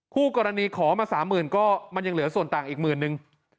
คู่กรณีขอมาสามหมื่นก็มันยังเหลือส่วนต่างอีกหมื่นนึง